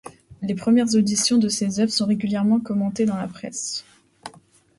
Les premières auditions de ses œuvres sont régulièrement commentées dans la presse.